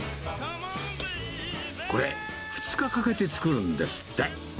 これ、２日かけて作るんですって。